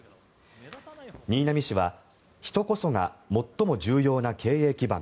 新浪氏は人こそが最も重要な経営基盤